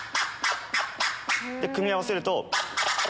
組み合わせると。